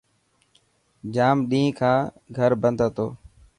ڄام ڏينهن کان گهر بندو هتو.